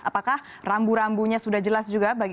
apakah rambu rambunya sudah jelas juga